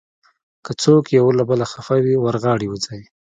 که څوک یو له بله خفه وي، ور غاړې وځئ.